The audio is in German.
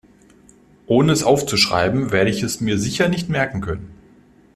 Ohne es aufzuschreiben, werde ich es mir sicher nicht merken können.